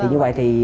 vậy như vậy thì